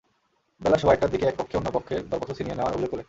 বেলা সোয়া একটার দিকে একপক্ষ অন্যপক্ষের দরপত্র ছিনিয়ে নেওয়ার অভিযোগ তোলে।